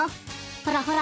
ほらほら